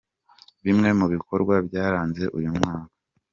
Bimwe mu bikorwa byaranze uyu mwaka.